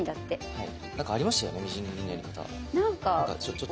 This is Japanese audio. はい。